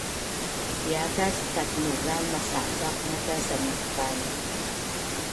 Piia kas tatnulan masabaq maca sanavan?